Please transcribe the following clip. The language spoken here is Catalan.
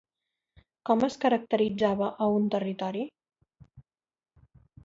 Com es caracteritzava a un territori?